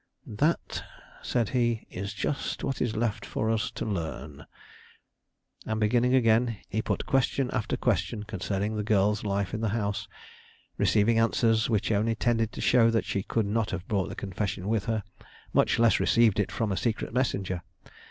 "That," said he, "is just what is left for us to learn." And, beginning again, he put question after question concerning the girl's life in the house, receiving answers which only tended to show that she could not have brought the confession with her, much less received it from a secret messenger.